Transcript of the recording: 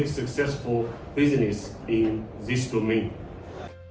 untuk membuat bisnis berhasil di dunia ini